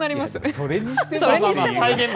それにしても。